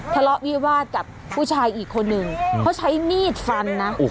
ทะเลาะวิวาตกับผู้ชายอีกคนหนึ่งเพราะใช้นี้จิฟัณฑ์นะ